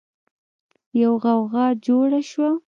يوه غوغا جوړه شوه.